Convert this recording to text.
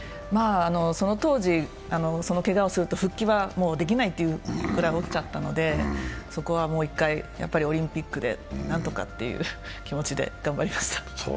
その当時、あのけがをすると復帰はできないというぐらい大きかったのでそこは１回、オリンピックでなんとかって気持ちで頑張りました。